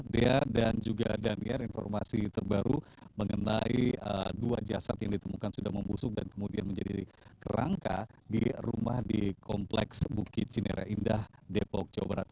dea dan juga daniel informasi terbaru mengenai dua jasad yang ditemukan sudah membusuk dan kemudian menjadi kerangka di rumah di kompleks bukit cinera indah depok jawa barat